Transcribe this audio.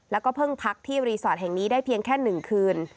แล้วก็เพิ่งพักที่รีสอร์ทแห่งนี้ได้เพียงแค่๑คืน